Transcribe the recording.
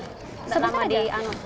oh langsung sudah jadi